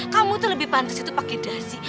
kamu tuh lebih pantas itu pakai dasi